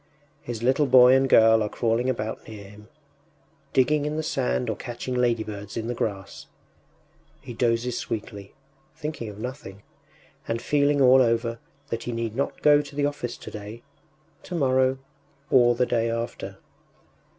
His little boy and girl are crawling about near him, digging in the sand or catching ladybirds in the grass. He dozes sweetly, thinking of nothing, and feeling all over that he need not go to the office today, tomorrow, or the day after.